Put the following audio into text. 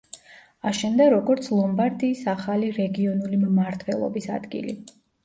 აშენდა როგორც ლომბარდიის ახალი რეგიონული მმართველობის ადგილი.